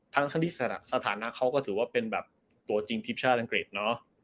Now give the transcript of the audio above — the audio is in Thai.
ทั้งที่สถานะเขาก็ถือว่าเป็นแบบตัวจริงทีมชาติอังกฤษเนอะ